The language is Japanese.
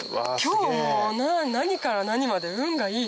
今日もう何から何まで運がいい。